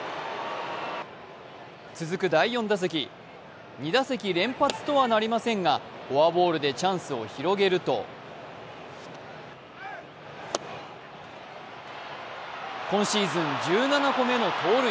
続く第４打席、２打席連発とはなりませんが、フォアボールでチャンスを広げると今シーズン１７個めの盗塁。